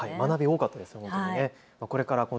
学び、多かったですね。